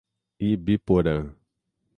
Ibiporã